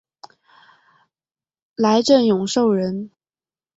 来瑱永寿人。